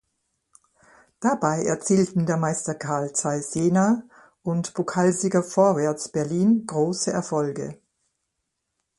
Dabei erzielten der Meister Carl Zeiss Jena und Pokalsieger Vorwärts Berlin große Erfolge.